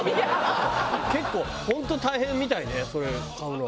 結構本当大変みたいでそれ買うの。